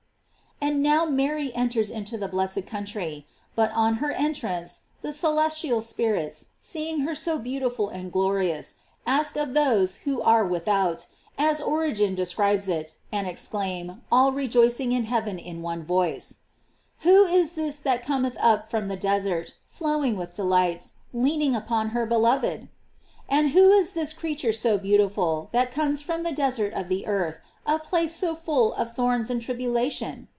"f And now Mary enters into the blessed country. But on her entrance, the celestial spirits seeing her so beautiful and glorious, ask of those who are without, as Origen describes it, and exclaim, nil rejoicing in heaven in one (voice): ''Who is this that cometh up from the desert, flowing with delights, leaning upon her beloved?"^ And who is this creature so beautiful, that comes from the desert of the earth, a place so full of thorns and tribulation?